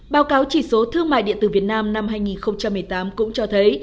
báo cáo chỉ số thương mại điện tử việt nam năm hai nghìn một mươi tám cũng cho thấy